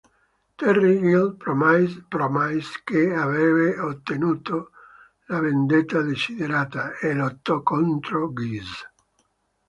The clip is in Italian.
Terry gli promise che avrebbe ottenuto la vendetta desiderata, e lottò contro Geese.